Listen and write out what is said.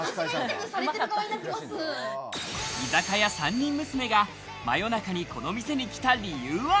居酒屋３人娘が真夜中に、この店に来た理由は。